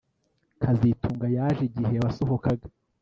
kazitunga yaje igihe wasohokaga